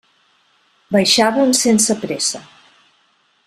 Baixaven sense pressa.